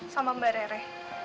sama mbak rere